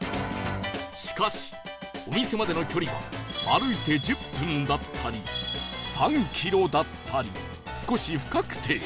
しかしお店までの距離は歩いて１０分だったり３キロだったり少し不確定